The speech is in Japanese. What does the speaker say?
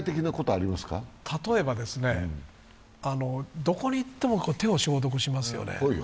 例えば、どこに行っても手を消毒しますよね。